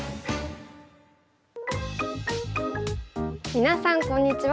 皆さんこんにちは。